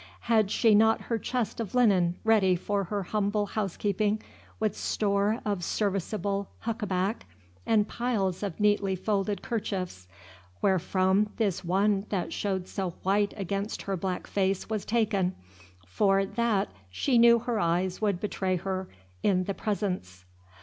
Had she not her chest of linen ready for her humble house keeping with store of serviceable huckaback and piles of neatly folded kerchiefs, wherefrom this one that showed so white against her black face was taken, for that she knew her eyes would betray her in "the presence"?